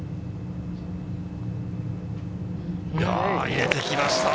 入れてきました。